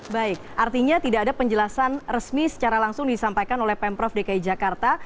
baik artinya tidak ada penjelasan resmi secara langsung disampaikan oleh pemprov dki jakarta